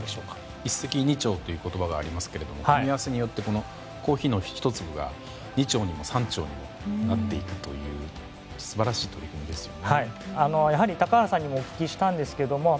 一石二鳥という言葉がありますが組み合わせによって２鳥にも３鳥にもなっていくという素晴らしい取り組みですね。